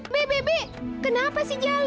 bi bi bi kenapa si jalu